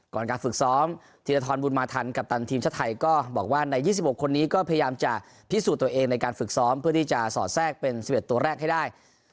ก่อนการฝึกซ้อมธีรทรบุญมาทันกัปตันทีมชาติไทยก็บอกว่าใน๒๖คนนี้ก็พยายามจะพิสูจน์ตัวเองในการฝึกซ้อมเพื่อที่จะสอดแทรกเป็น๑๑ตัวแรกให้ได้